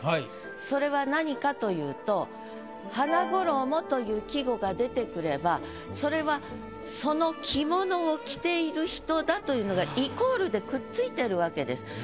それは何かというと「花衣」という季語が出てくればそれはだというのがイコールでくっついてるわけです。